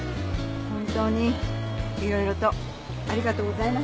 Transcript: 本当にいろいろとありがとうございました。